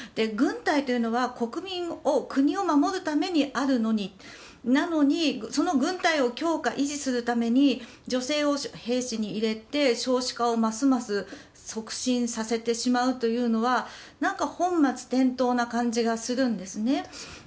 軍隊というのは国民を国を守るためにあるのにその軍隊を強化、維持するために女性を兵士に入れて少子化をますます促進させてしまうというのはなんか本末転倒な感じがするんですね。